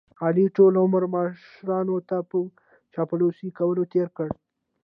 علي ټول عمر مشرانو ته په چاپلوسۍ کولو تېر کړ.